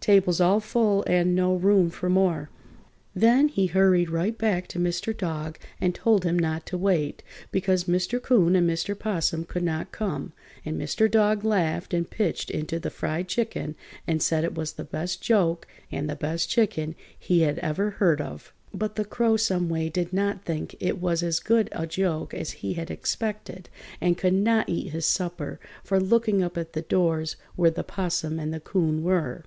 Table's all full and no room for more!" Then he hurried right back to Mr. Dog and told him not to wait, because Mr. 'Coon and Mr. 'Possum could not come, and Mr. Dog laughed and pitched into the fried chicken and said it was the best joke and the best chicken he had ever heard of. But the Crow some way did not think it was as good a joke as he had expected and could not eat his supper for looking up at the doors where the 'Possum and the 'Coon were.